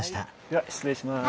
では失礼します。